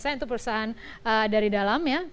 saya itu perusahaan dari dalam ya